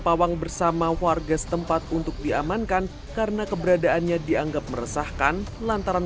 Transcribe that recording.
pawang bersama warga setempat untuk diamankan karena keberadaannya dianggap meresahkan lantaran